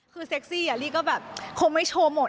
คือเซ็กซี่ลี่ก็แบบคงไม่โชว์หมด